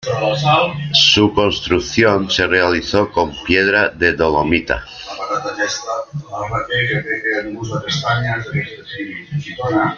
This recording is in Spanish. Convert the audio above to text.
Su construcción se realizó con piedra de dolomita.